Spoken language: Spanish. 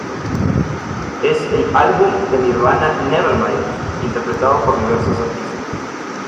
Es el álbum de Nirvana "Nevermind", interpretado por diversos artistas.